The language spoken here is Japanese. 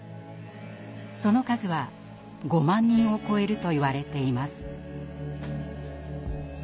その数は５万人を超えるといわれています。